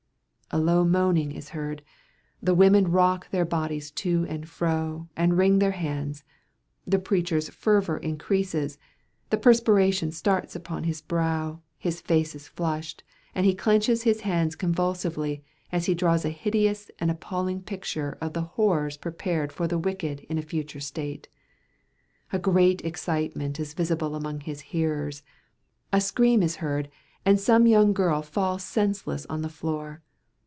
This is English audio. A low moaning is heard, the women rock their bodies to and fro, and wring their hands; the preacher's fervour increases, the perspiration starts upon his brow, his face is flushed, and he clenches his hands convulsively, as he draws a hideous and appalling picture of the horrors preparing for the wicked in a future state. A great excitement is visible among his hearers, a scream is heard, and some young girl falls senseless on the floor.